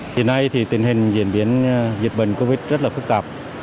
hiện nay thì tình hình diễn biến dịch bệnh covid rất là phức tạp